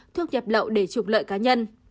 thuốc nhập lậu để trục lợi cá nhân